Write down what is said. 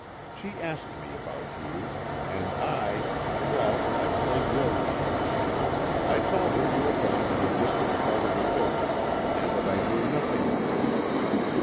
She asked me about you, and I well, I played your game. I told her you had gone to a distant part of the world, and that I knew nothing of you.